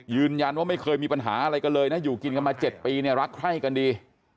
ไม่เคยมีปัญหาอะไรกันเลยนะอยู่กินกันมา๗ปีเนี่ยรักใคร่กันดี